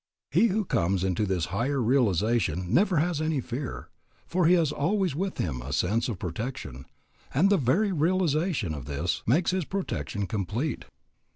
He who comes into this higher realization never has any fear, for he has always with him a sense of protection, and the very realization of this makes his protection complete.